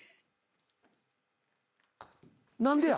何でや？